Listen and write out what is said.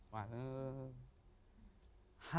หายเลย